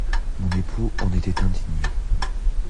Mon époux en était indigné!